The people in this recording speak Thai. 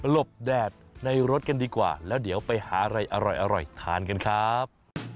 บแดดในรถกันดีกว่าแล้วเดี๋ยวไปหาอะไรอร่อยทานกันครับ